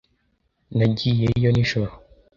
Nagiyeyo nijoro.